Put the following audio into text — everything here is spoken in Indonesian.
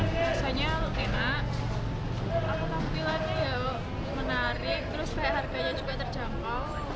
tapi lagi ya menarik terus harganya juga terjangkau